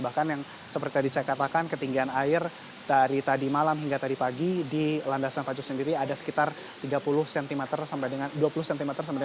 bahkan yang seperti tadi saya katakan ketinggian air dari tadi malam hingga tadi pagi di landasan pacu sendiri ada sekitar tiga puluh cm sampai dengan dua puluh cm